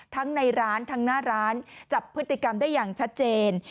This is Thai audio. ในร้านทั้งหน้าร้านจับพฤติกรรมได้อย่างชัดเจน